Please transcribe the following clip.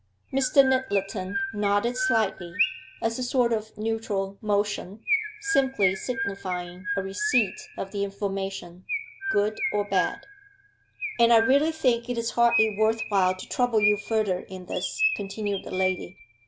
Mr. Nyttleton nodded slightly, as a sort of neutral motion, simply signifying a receipt of the information, good or bad. 'And I really think it is hardly worth while to trouble you further in this,' continued the lady.